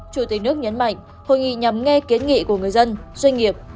chủ tịch nước nhấn mạnh hội nghị nhằm nghe kiến nghị của người dân doanh nghiệp